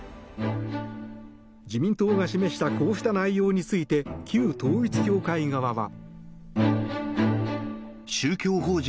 自民党が示したこうした内容について旧統一教会側は。